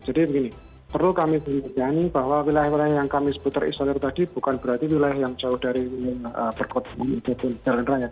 jadi begini perlu kami perhatikan bahwa wilayah wilayah yang kami sebut terisolir tadi bukan berarti wilayah yang jauh dari perkotongan jalan raya